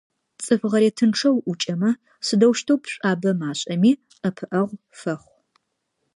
ЦӀыф гъэретынчъэ уӀукӀэмэ, сыдэущтэу пшӀуабэ машӀэми, ӀэпыӀэгъу фэхъу.